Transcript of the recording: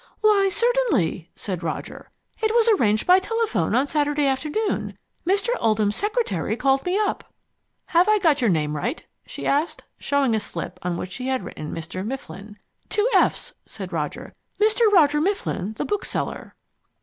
"Why, certainly," said Roger. "It was arranged by telephone on Saturday afternoon. Mr. Oldham's secretary called me up." "Have I got your name right?" she asked, showing a slip on which she had written Mr. Miflin. "Two f's," said Roger. "Mr. Roger Mifflin, the bookseller."